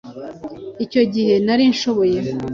Icyo gihe nari nshoboye